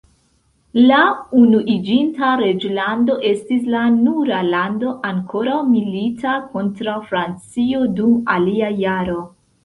La Unuiĝinta Reĝlando estis la nura lando ankoraŭ milita kontraŭ Francio dum alia jaro.